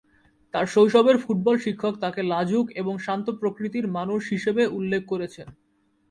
তার শৈশবের ফুটবল শিক্ষক তাকে লাজুক এবং শান্ত প্রকৃতির মানুষ হিসেবে উল্লেখ করেছেন।